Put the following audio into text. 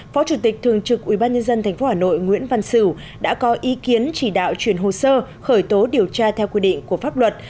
phó chủ tịch thường trực ubnd tp hà nội nguyễn văn sửu đã có ý kiến chỉ đạo chuyển hồ sơ khởi tố điều tra theo quy định của pháp luật